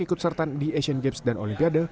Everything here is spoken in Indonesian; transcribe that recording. ikut sertaan di asian games dan olimpiade